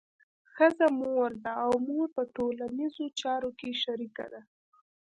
ښځه مور ده او مور په ټولنیزو چارو کې شریکه ده.